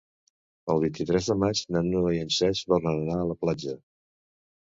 El vint-i-tres de maig na Noa i en Cesc volen anar a la platja.